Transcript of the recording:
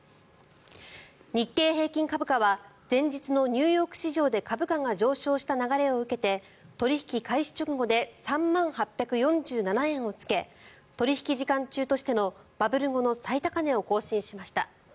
日経平均株価は前日のニューヨーク市場で株価が上昇した流れを受けて取引開始直後で３万８４７円をつけ取引時間中としてのバブル後の最高値を更新しました。